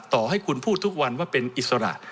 ต่อให้คุณพูดทุกวันว่าเป็นอิสระ